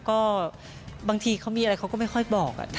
ก็บางทีเขามีอะไรเขาก็ไม่ค่อยบอก